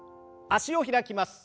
脚を開きます。